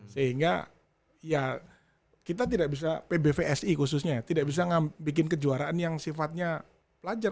sehingga ya kita tidak bisa pbvsi khususnya tidak bisa bikin kejuaraan yang sifatnya pelajar